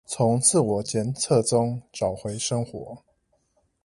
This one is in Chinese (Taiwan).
從自我檢測中找回生活